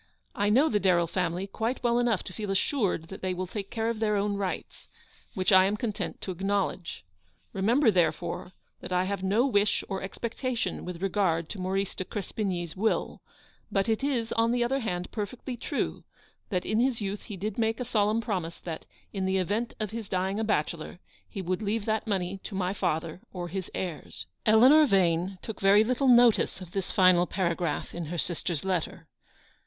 I know the Darrell family quite well enough to feel assured that they will take care of their own rights, which I am content to acknowledge. Remember, therefore, that I have no wish or expectation with regard to Maurice de Crespigny's will ; but it is, on the other hand, perfectly true, that in his youth he RICHARD THORNTONS PROMISE. 225 did make a solemn promise that, in the event of his dying a bachelor, he would leave that money to my father or his heirs." Eleanor Yane took very little notice of this final paragraph in her sister's letter.